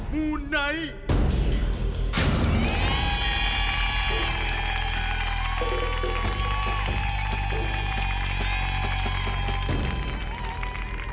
มูไนท์